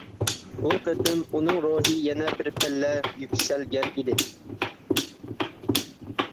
بۇ قېتىم ئۇنىڭ روھى يەنە بىر پەللە يۈكسەلگەن ئىدى.